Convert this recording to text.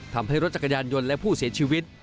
ทำให้รถจักรยานยนต์และผู้เสียชีวิต